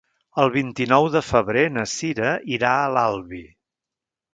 El vint-i-nou de febrer na Sira irà a l'Albi.